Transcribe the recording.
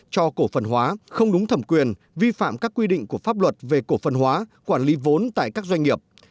cho cổ phần hóa không đúng thẩm quyền vi phạm các quy định của pháp luật về cổ phần hóa quản lý vốn tại các doanh nghiệp